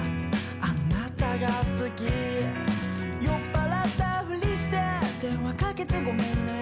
あなたが好き酔っ払ったふりして電話かけてごめんね